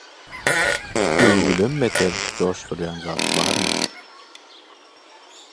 Öwgüden beter joşdurýan zat barmy?!